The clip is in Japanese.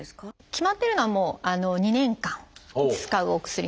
決まってるのは２年間使うお薬なんですね。